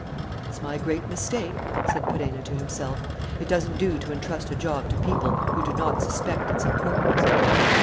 "That's my great mistake," said Perenna to himself. "It doesn't do to entrust a job to people who do not suspect its importance."